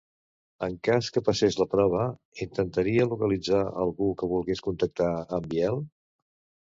En cas que passés la prova, intentaria localitzar algú que volgués contractar en Biel?